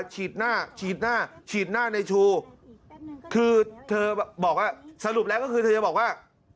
ฉีดหน้าฉีดหน้าฉีดหน้าในชูคือเธอบอกว่าสรุปแล้วก็คือเธอจะบอกว่า